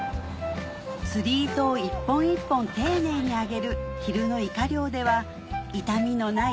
釣り糸を一本一本丁寧に揚げる昼のイカ漁では傷みのない